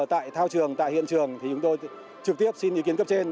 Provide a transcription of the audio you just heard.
tại thao trường tại hiện trường thì chúng tôi trực tiếp xin ý kiến cấp trên